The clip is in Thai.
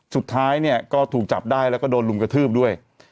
สุดท้ายเนี่ยก็ถูกจับได้แล้วก็โดนรุมกระทืบด้วย